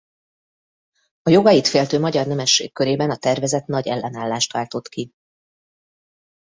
A jogait féltő magyar nemesség körében a tervezet nagy ellenállást váltott ki.